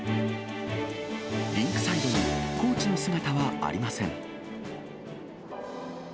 リンクサイドにコーチの姿はありません。